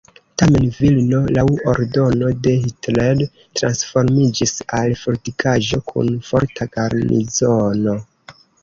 Tamen Vilno laŭ ordono de Hitler transformiĝis al fortikaĵo kun forta garnizono.